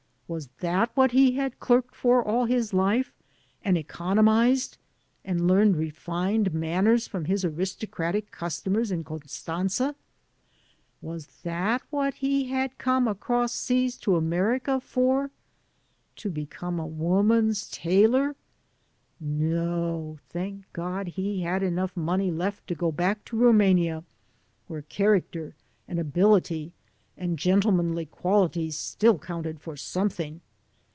Was that xa ler AN AMERICAN IN THE MAKING what he had clerked for all his life, and economized, and teamed refined manners from his aristocratic customers in ConstantzaP Was that what he had come across seas to America for — ^to become a woman's tailor? N09 thank God he had enough money left to go back to Rumania, where character and ability and gentlemanly qualities still counted for something.